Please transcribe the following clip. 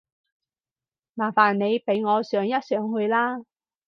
麻煩你俾我上一上去啦